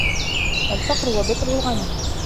الْفَقْرِ وَبَطْرِ الْغَنِيِّ